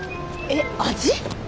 えっ味？